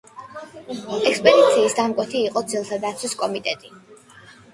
ექსპერტიზის დამკვეთი იყო ძეგლთა დაცვის კომიტეტი.